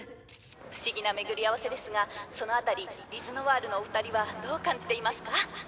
不思議な巡り合わせですがその辺りＬｉｚＮｏｉｒのお二人はどう感じていますか？